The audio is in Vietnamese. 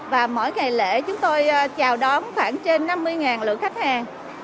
và mỗi ngày lễ chúng tôi chào đón khoảng trên năm mươi lượng khách hàng